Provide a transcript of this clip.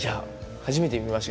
初めて見ました。